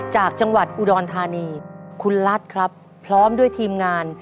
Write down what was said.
จากจังหวัดอุดรธานีคุณรัฐครับพร้อมด้วยทีมงาน